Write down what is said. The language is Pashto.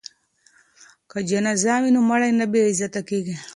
که جنازه وي نو مړی نه بې عزته کیږي.